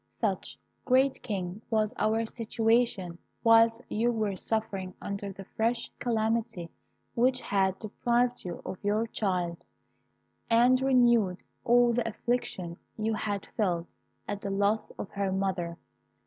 "Such, great King, was our situation whilst you were suffering under the fresh calamity which had deprived you of your child, and renewed all the affliction you had felt at the loss of her mother.